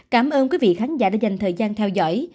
cảm ơn quý vị khán giả đã dành thời gian theo dõi